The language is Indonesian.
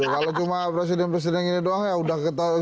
kalau cuma presiden presiden gini doang ya udah ketahuan dari awal lah